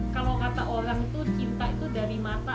kalau kata orang itu cinta itu dari mata